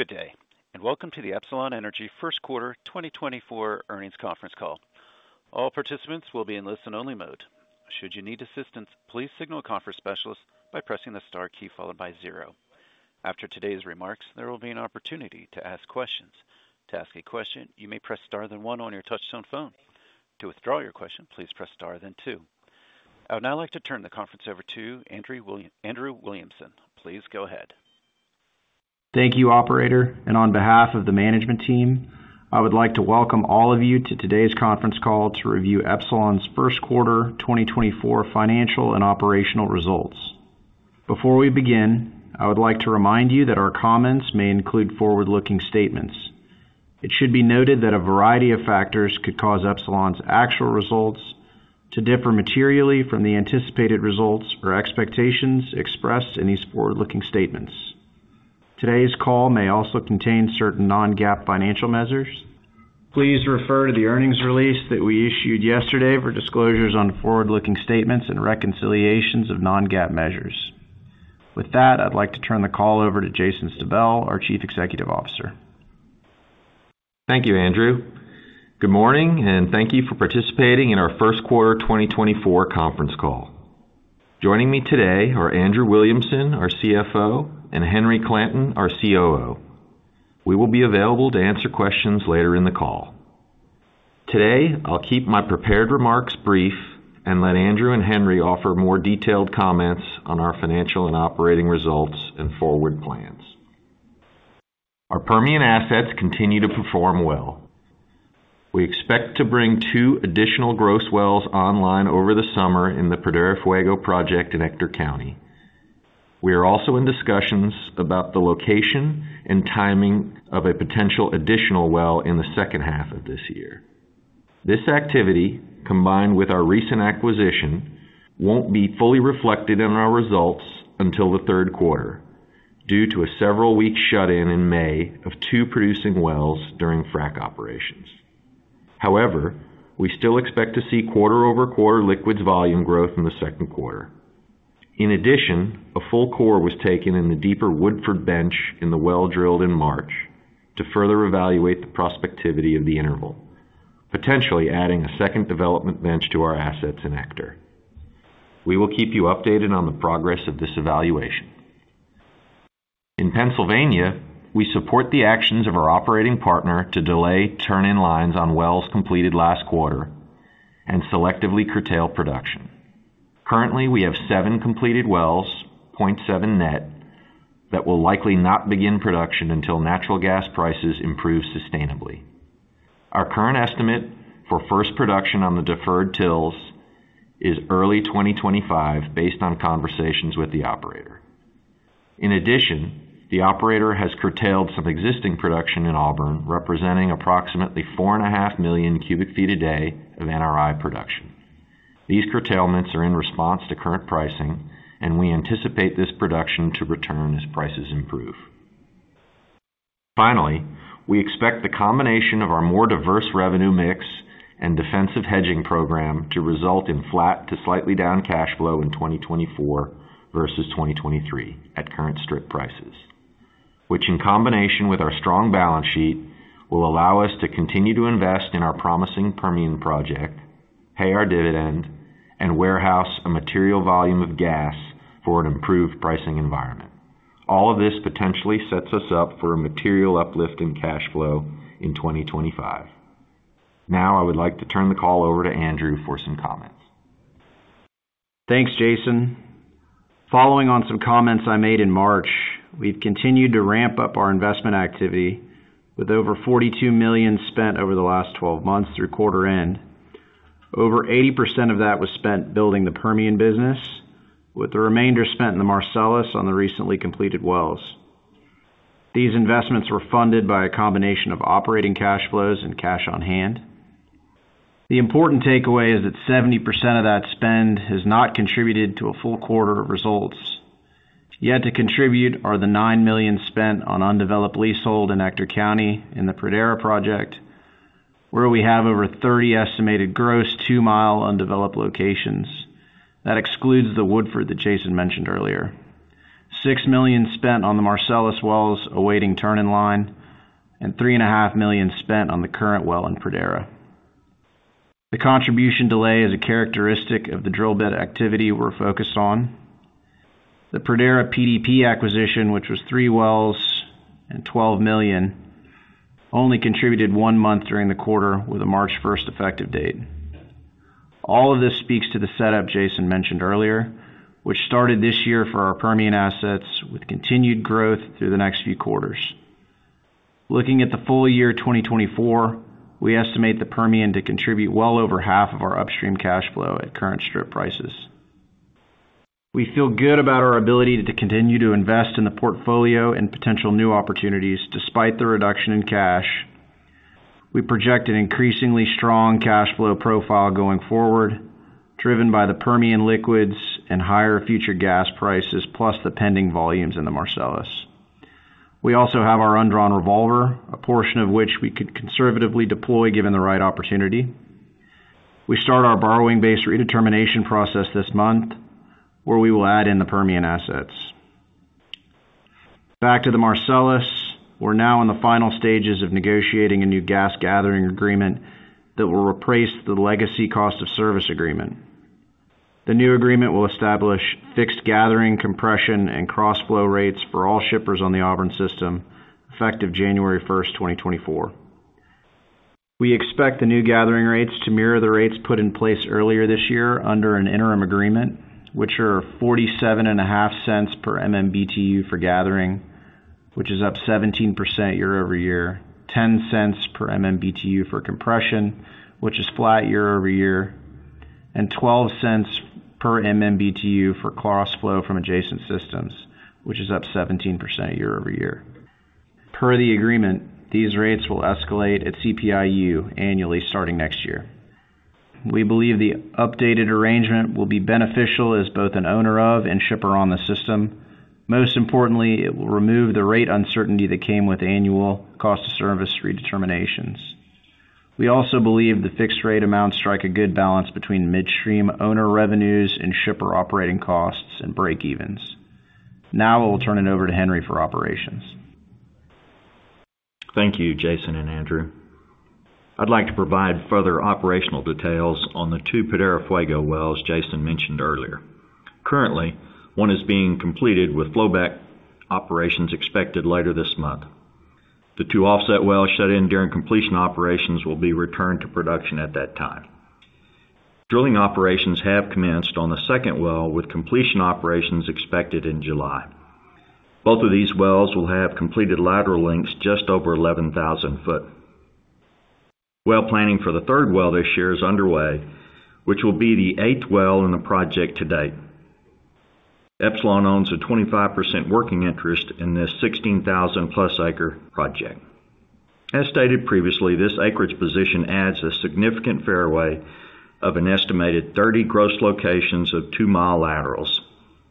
Good day, and welcome to the Epsilon Energy First Quarter 2024 earnings conference call. All participants will be in listen-only mode. Should you need assistance, please signal a conference specialist by pressing the star key followed by zero. After today's remarks, there will be an opportunity to ask questions. To ask a question, you may press star, then one on your touch-tone phone. To withdraw your question, please press star, then two. I would now like to turn the conference over to Andrew Williamson. Please go ahead. Thank you, operator, and on behalf of the management team, I would like to welcome all of you to today's conference call to review Epsilon's first quarter 2024 financial and operational results. Before we begin, I would like to remind you that our comments may include forward-looking statements. It should be noted that a variety of factors could cause Epsilon's actual results to differ materially from the anticipated results or expectations expressed in these forward-looking statements. Today's call may also contain certain non-GAAP financial measures. Please refer to the earnings release that we issued yesterday for disclosures on forward-looking statements and reconciliations of non-GAAP measures. With that, I'd like to turn the call over to Jason Stabell, our Chief Executive Officer. Thank you, Andrew. Good morning, and thank you for participating in our first quarter 2024 conference call. Joining me today are Andrew Williamson, our CFO, and Henry Clanton, our COO. We will be available to answer questions later in the call. Today, I'll keep my prepared remarks brief and let Andrew and Henry offer more detailed comments on our financial and operating results and forward plans. Our Permian assets continue to perform well. We expect to bring 2 additional gross wells online over the summer in the Pradera Fuego project in Ector County. We are also in discussions about the location and timing of a potential additional well in the second half of this year. This activity, combined with our recent acquisition, won't be fully reflected in our results until the third quarter, due to a several-week shut-in in May of 2 producing wells during frac operations. However, we still expect to see quarter-over-quarter liquids volume growth in the second quarter. In addition, a full core was taken in the deeper Woodford bench in the well drilled in March to further evaluate the prospectivity of the interval, potentially adding a second development bench to our assets in Ector. We will keep you updated on the progress of this evaluation. In Pennsylvania, we support the actions of our operating partner to delay turn-in-lines on wells completed last quarter and selectively curtail production. Currently, we have seven completed wells, 0.7 net, that will likely not begin production until natural gas prices improve sustainably. Our current estimate for first production on the deferred TILs is early 2025, based on conversations with the operator. In addition, the operator has curtailed some existing production in Auburn, representing approximately 4.5 million cubic feet a day of NRI production. These curtailments are in response to current pricing, and we anticipate this production to return as prices improve. Finally, we expect the combination of our more diverse revenue mix and defensive hedging program to result in flat to slightly down cash flow in 2024 versus 2023 at current strip prices, which in combination with our strong balance sheet, will allow us to continue to invest in our promising Permian project, pay our dividend, and warehouse a material volume of gas for an improved pricing environment. All of this potentially sets us up for a material uplift in cash flow in 2025. Now, I would like to turn the call over to Andrew for some comments. Thanks, Jason. Following on some comments I made in March, we've continued to ramp up our investment activity with over $42 million spent over the last 12 months through quarter end. Over 80% of that was spent building the Permian business, with the remainder spent in the Marcellus on the recently completed wells. These investments were funded by a combination of operating cash flows and cash on hand. The important takeaway is that 70% of that spend has not contributed to a full quarter of results. Yet to contribute are the $9 million spent on undeveloped leasehold in Ector County, in the Pradera project, where we have over 30 estimated gross, 2-mile undeveloped locations. That excludes the Woodford that Jason mentioned earlier. $6 million spent on the Marcellus wells, awaiting turn-in-line, and $3.5 million spent on the current well in Pradera. The contribution delay is a characteristic of the drill bit activity we're focused on. The Pradera PDP acquisition, which was three wells and $12 million, only contributed one month during the quarter with a March first effective date. All of this speaks to the setup Jason mentioned earlier, which started this year for our Permian assets, with continued growth through the next few quarters. Looking at the full year 2024, we estimate the Permian to contribute well over half of our upstream cash flow at current strip prices. We feel good about our ability to continue to invest in the portfolio and potential new opportunities despite the reduction in cash. We project an increasingly strong cash flow profile going forward, driven by the Permian liquids and higher future gas prices, plus the pending volumes in the Marcellus. We also have our undrawn revolver, a portion of which we could conservatively deploy, given the right opportunity. We start our borrowing base redetermination process this month, where we will add in the Permian assets. Back to the Marcellus, we're now in the final stages of negotiating a new gas gathering agreement that will replace the legacy cost of service agreement. The new agreement will establish fixed gathering, compression, and cross flow rates for all shippers on the Auburn system, effective January 1, 2024. We expect the new gathering rates to mirror the rates put in place earlier this year under an interim agreement, which are $0.475 per MMBtu for gathering, which is up 17% year-over-year. Ten cents per MMBtu for compression, which is flat year-over-year. And twelve cents per MMBtu for cross flow from adjacent systems, which is up 17% year-over-year. Per the agreement, these rates will escalate at CPI-U annually, starting next year. We believe the updated arrangement will be beneficial as both an owner of and shipper on the system. Most importantly, it will remove the rate uncertainty that came with annual cost of service redeterminations. We also believe the fixed rate amounts strike a good balance between midstream owner revenues and shipper operating costs and breakevens. Now I will turn it over to Henry for operations. Thank you, Jason and Andrew. I'd like to provide further operational details on the two Pradera Fuego wells Jason mentioned earlier. Currently, one is being completed with flowback operations expected later this month. The two offset wells shut in during completion operations will be returned to production at that time. Drilling operations have commenced on the second well, with completion operations expected in July. Both of these wells will have completed lateral lengths just over 11,000 feet. Well planning for the third well this year is underway, which will be the eighth well in the project to date. Epsilon owns a 25% working interest in this 16,000+ acre project. As stated previously, this acreage position adds a significant fairway of an estimated 30 gross locations of 2-mile laterals,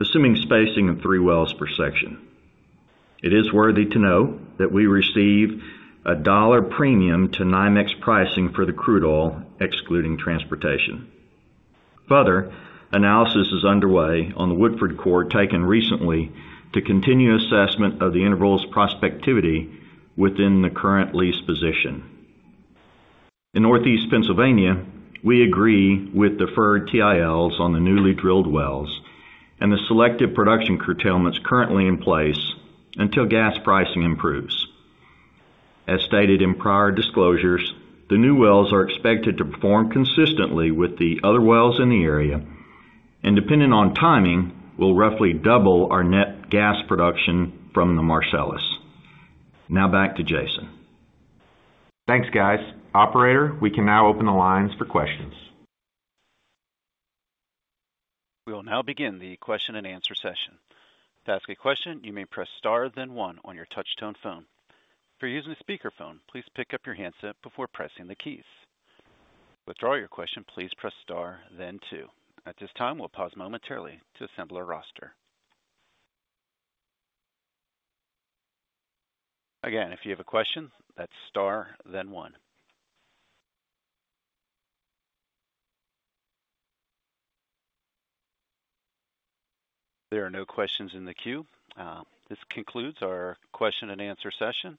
assuming spacing of three wells per section. It is worthy to know that we receive a $1 premium to NYMEX pricing for the crude oil, excluding transportation. Further, analysis is underway on the Woodford core, taken recently to continue assessment of the interval's prospectivity within the current lease position. In Northeast Pennsylvania, we agree with deferred TILs on the newly drilled wells and the selective production curtailments currently in place until gas pricing improves. As stated in prior disclosures, the new wells are expected to perform consistently with the other wells in the area, and depending on timing, will roughly double our net gas production from the Marcellus. Now back to Jason. Thanks, guys. Operator, we can now open the lines for questions. We will now begin the question-and-answer session. To ask a question, you may press star, then one on your touchtone phone. If you're using a speakerphone, please pick up your handset before pressing the keys. To withdraw your question, please press star, then two. At this time, we'll pause momentarily to assemble a roster. Again, if you have a question, that's star, then one. There are no questions in the queue. This concludes our question-and-answer session.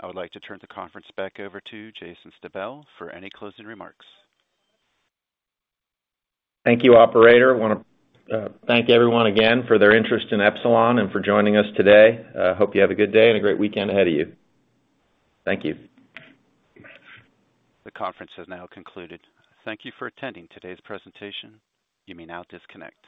I would like to turn the conference back over to Jason Stabell for any closing remarks. Thank you, operator. I want to thank everyone again for their interest in Epsilon and for joining us today. Hope you have a good day and a great weekend ahead of you. Thank you. The conference has now concluded. Thank you for attending today's presentation. You may now disconnect.